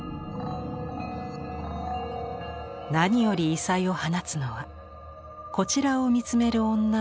何より異彩を放つのはこちらを見つめる女の妖しい顔。